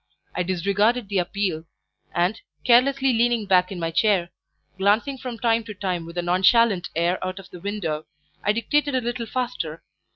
I disregarded the appeal, and, carelessly leaning back in my chair, glancing from time to time with a NONCHALANT air out of the window, I dictated a little faster.